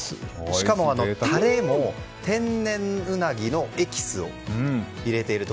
しかも、タレも天然ウナギのエキスを入れていると。